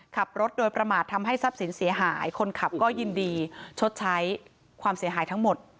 ขับรถโดยประมาททำให้ทรัพย์สินเสียหายคนขับก็ยินดีชดใช้ความเสียหายทั้งหมด